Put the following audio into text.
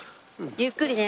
ゆっくりね。